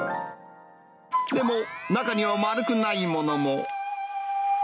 でも、中には丸くないものも。